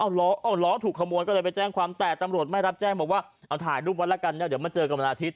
เอาล้อถูกขโมยก็เลยไปแจ้งความแต่ตำรวจไม่รับแจ้งบอกว่าเอาถ่ายรูปไว้แล้วกันเดี๋ยวมาเจอกันวันอาทิตย